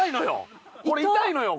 これ痛いのよ。